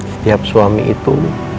setiap suami itu